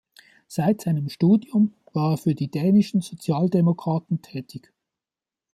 Seit seinem Studium war er für die dänischen Sozialdemokraten tätig.